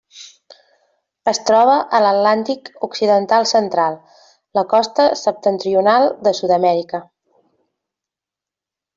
Es troba a l'Atlàntic occidental central: la costa septentrional de Sud-amèrica.